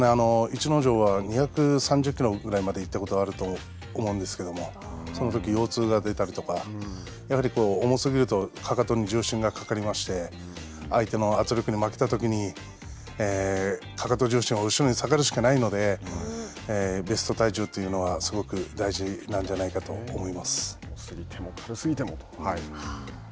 逸ノ城は２３０キロぐらいまで行ったことがあると思うんですけどもそのとき腰痛が出たりとか、やはり重すぎるとかかとに重心がかかりまして相手の圧力に負けたときに、かかと重心は後ろに下がるしかないのでベスト体重というのは、すごく大事なんじゃないかと重すぎても軽すぎてもという。